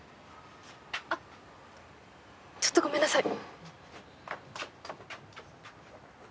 あっちょっとごめんなさい。